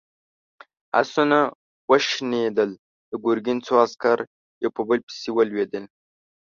آسونه وشڼېدل، د ګرګين څو عسکر يو په بل پسې ولوېدل.